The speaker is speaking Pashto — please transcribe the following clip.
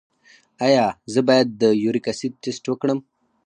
ایا زه باید د یوریک اسید ټسټ وکړم؟